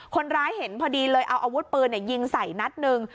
คนร้ายเห็นพอดีเลยเอาอาวุธปืนยิงใส่นัดหนึ่ง